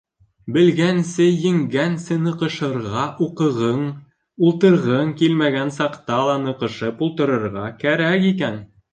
Белгәнсе, еңгәнсе ныҡышырға, уҡығың, ултырғың килмәгән саҡта ла ныҡышып ултырырға кәрәк икән...